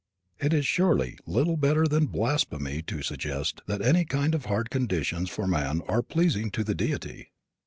It is surely little better than blasphemy to suggest that any kind of hard conditions for man are pleasing to the deity.